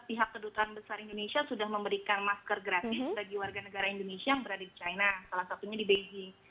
pihak kedutaan besar indonesia sudah memberikan masker gratis bagi warga negara indonesia yang berada di china salah satunya di beijing